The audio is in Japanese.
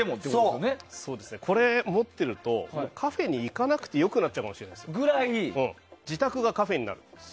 これを持っているとカフェに行かなくて良くなっちゃうかもしれないぐらい自宅がカフェになるんです。